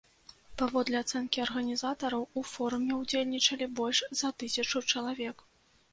Паводле ацэнкі арганізатараў, у форуме ўдзельнічалі больш за тысячу чалавек.